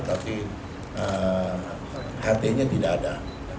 tapi ht nya tidak ada